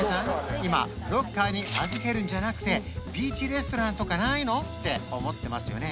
今ロッカーに預けるんじゃなくてビーチレストランとかないの？って思ってますよね？